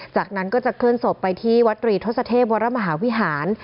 จากนั้นก็จะเคลื่อนศพไปที่วัดตรีทศเทพวรมหาวิหาร